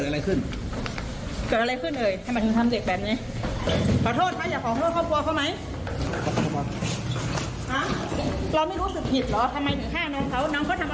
รู้สึกผิดไหม